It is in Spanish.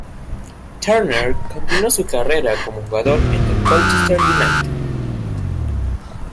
Turner continuó su carrera como jugador en el Colchester United.